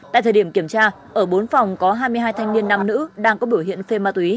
tại thời điểm kiểm tra ở bốn phòng có hai mươi hai thanh niên nam nữ đang có biểu hiện phê ma túy